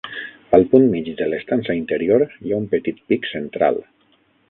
Al punt mig de l'estança interior hi ha un petit pic central.